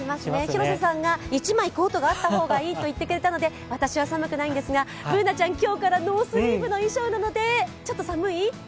広瀬さんが１枚コートがあった方がいいと言ってくれたので、私は寒くないんですがＢｏｏｎａちゃん、今日からノースリーブの衣装なのでちょっと寒い？